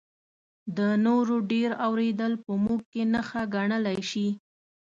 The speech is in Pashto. د نورو ډېر اورېدل په موږ کې نښه ګڼلی شي.